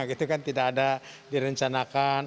itu kan tidak ada direncanakan